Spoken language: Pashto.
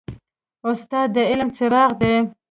استاد د علم څراغ دی.